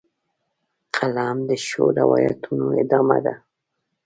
قلم د ښو روایتونو ادامه ده